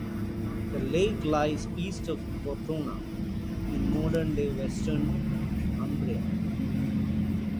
The lake lies east of Cortona in modern-day Western Umbria.